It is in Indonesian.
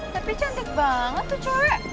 tapi cantik banget tuh core